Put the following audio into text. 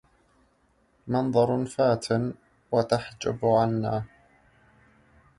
منظر فاتن وتحجب عنا